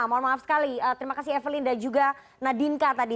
mohon maaf sekali terima kasih evelyn dan juga nadinka tadi